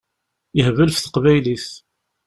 Yehbel ɣef teqbaylit.